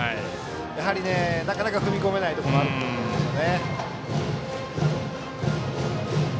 やはり、なかなか踏み込めないところがありますね。